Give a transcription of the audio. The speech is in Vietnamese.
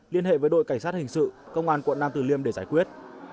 liên hệ với đội cảnh sát hình sự công an quận nam tử liêm để giải quyết